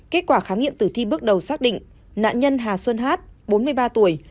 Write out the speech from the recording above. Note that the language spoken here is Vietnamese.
kết quả khám nghiệm tử thi bước đầu xác định nạn nhân hà xuân hát bốn mươi ba tuổi